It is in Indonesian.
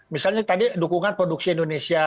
misalnya tadi dukungan produksi indonesia